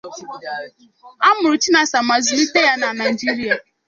A mụrụ Chinasa ma zụlite ya na Naijiria.